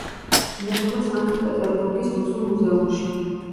ინახება სანქტ-პეტერბურგის რუსულ მუზეუმში.